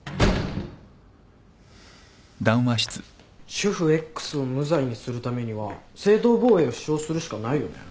主婦Ｘを無罪にするためには正当防衛を主張するしかないよね？